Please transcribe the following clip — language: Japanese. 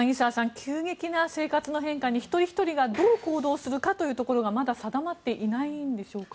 急激な生活の変化に一人ひとりがどう行動するかというところがまだ定まっていないんでしょうか。